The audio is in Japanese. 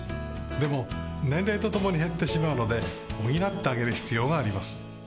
でも年齢とともに減ってしまうので補ってあげる必要があります